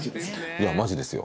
いやマジですよ